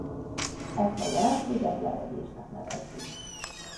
Ezt a jelenséget lebegésnek nevezzük.